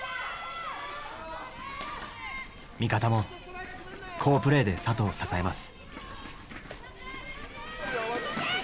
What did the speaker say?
味方も好プレーで里を支えます。